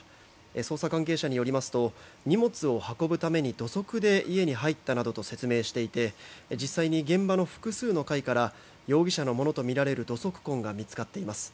捜査関係者によりますと荷物を運ぶために土足で家に入ったなどと説明していて実際に現場の複数の階から容疑者のものとみられる土足痕が見つかっています。